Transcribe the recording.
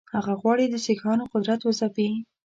هغه غواړي د سیکهانو قدرت وځپي.